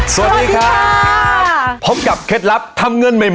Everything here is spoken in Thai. สวัสดีครับพบกับเคล็ดลับทำเงินใหม่